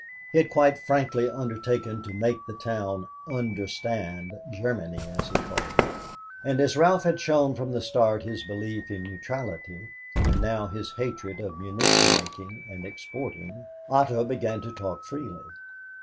He had quite frankly undertaken to make the town "understand Germany," as he called it, and as Ralph had shown from the start his belief in neutrality and now his hatred of munition making and exporting, Otto began to talk freely.